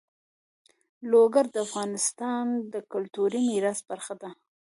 لوگر د افغانستان د کلتوري میراث برخه ده.